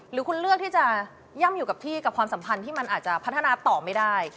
หรือคุณเลือกที่จะย่ำอยู่กับที่กับความสัมพันธ์ที่มันอาจจะพัฒนาต่อไม่ได้